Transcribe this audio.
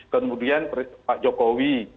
kemudian pak jokowi